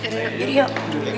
yuh yuk yuk yuk